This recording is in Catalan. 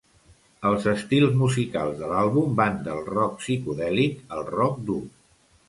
Els estils musicals de l'àlbum van del rock psicodèlic al rock dur.